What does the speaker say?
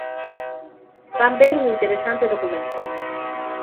Van ver un interesante documento.